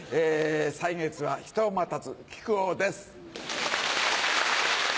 歳月は人を待たず木久扇です！